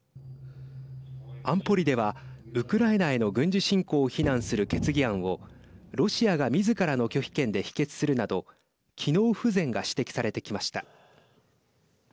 安保理では、ウクライナへの軍事侵攻を非難する決議案をロシアが、みずからの拒否権で否決するなど機能不全が指摘されてきました。